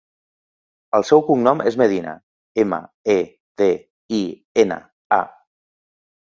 El seu cognom és Medina: ema, e, de, i, ena, a.